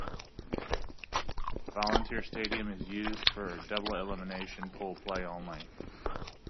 Volunteer Stadium is used for double-elimination pool play only.